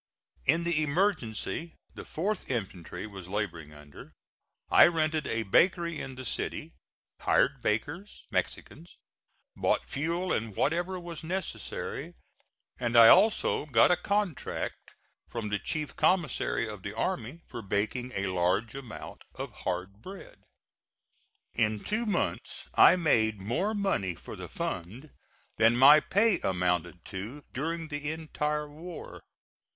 In the emergency the 4th infantry was laboring under, I rented a bakery in the city, hired bakers Mexicans bought fuel and whatever was necessary, and I also got a contract from the chief commissary of the army for baking a large amount of hard bread. In two months I made more money for the fund than my pay amounted to during the entire war.